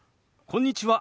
こんにちは。